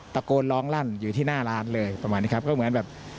ตะโกนร้องลั่นอยู่ที่หน้าร้านเลยประมาณนี้ครับก็เหมือนแบบ